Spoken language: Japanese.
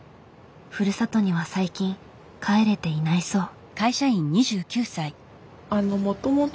ふるさとには最近帰れていないそう。